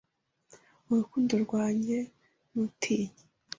urukundo rwanjye ntutinye